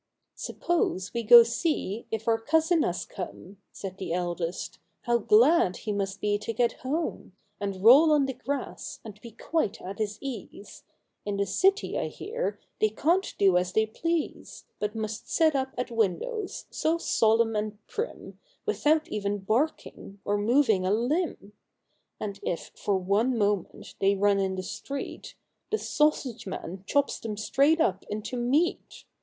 " Suppose we go see if our Cousin has come," Said the eldest: "How glad he must he to get home, And roll on the grass, and be quite at his ease ; In the city, I hear, they can't do as they please, But must sit up at windows, so solemn and prim, Without even harking, or moving a limb ; And if, for one moment, they run in the street, The sausage man chops them straight up into meat; THE COUSINS.